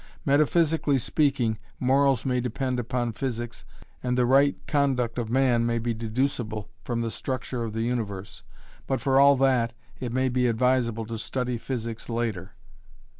Metaphysically speaking, morals may depend upon physics and the right conduct of man be deducible from the structure of the universe but for all that, it may be advisable to study physics later.